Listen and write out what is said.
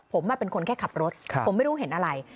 ผมเป็นคนแค่ขับรถผมไม่รู้เห็นอะไร